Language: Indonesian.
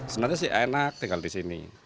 sebenarnya sih enak tinggal di sini